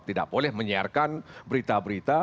tidak boleh menyiarkan berita berita